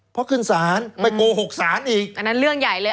เพราะขึ้นศาลไปโกหกศาลอีกอันนั้นเรื่องใหญ่เลย